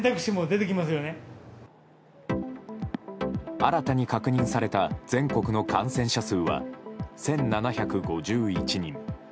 新たに確認された全国の感染者数は１７５１人。